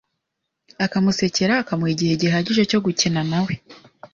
akamusekera akamuha igihe gihagije cyo gukina na we,